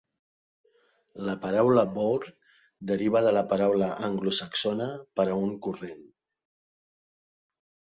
La paraula "bourne" deriva de la paraula anglosaxona per a un corrent.